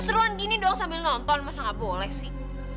seruan gini dong sambil nonton masa gak boleh sih